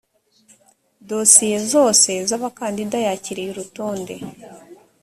dosiye zose z abakandida yakiriye urutonde